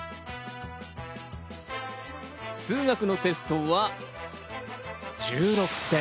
数学のテストは、１６点。